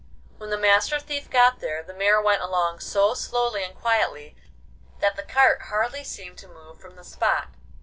When the Master Thief got there the mare went along so slowly and quietly that the cart hardly seemed to move from the spot.